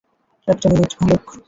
একটা মিনিট, ভালুক।